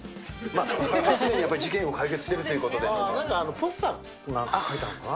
常に事件を解決してるというなんかポスターなんか描いたのかな。